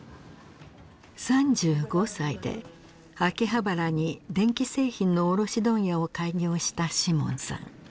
３５歳で秋葉原に電気製品の卸問屋を開業したシモンさん。